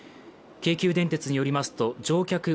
京急電鉄によりますと乗客